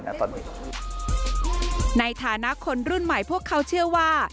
ในฐานะคนรุ่นใหม่พวกเขาเชื่อว่า